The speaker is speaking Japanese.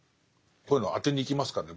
こういうの当てに行きますからね。